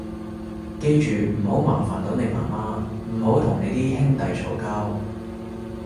記住唔好麻煩到你媽媽，唔好同你啲兄弟嘈交